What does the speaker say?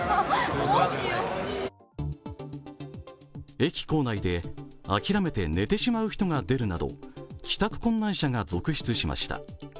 駅構内で諦めて寝てしまう人が出るなど帰宅困難者が続出しました。